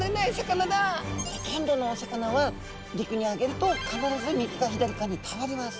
ほとんどのお魚は陸にあげると必ず右か左かに倒れます。